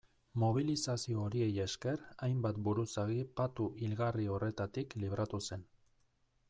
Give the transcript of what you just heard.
Mobilizazio horiei esker hainbat buruzagi patu hilgarri horretatik libratu zen.